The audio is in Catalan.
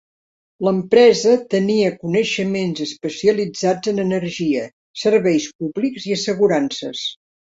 L'empresa tenia coneixements especialitzats en energia, serveis públics i assegurances.